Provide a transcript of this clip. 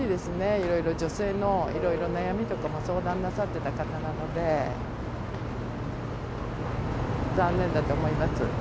いろいろ、女性のいろいろ悩みとかも相談なさってた方なので、残念だと思います。